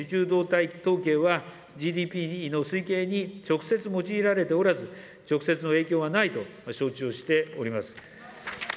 動態統計は、ＧＤＰの推計に直接用いられておらず、直接の影響はないと承知をしております。